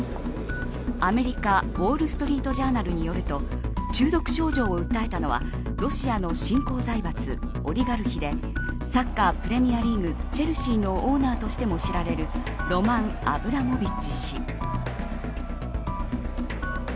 アメリカウォール・ストリート・ジャーナルによると中毒症状を訴えたのはロシアの新興財閥オリガルヒでサッカー、プレミアリーグチェルシーのオーナーとしても知られるロマン・アブラモビッチ氏。